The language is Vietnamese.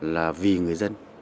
là vì người dân